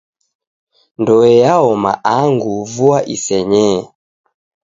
Ndoe yaoma angu vua isenyee.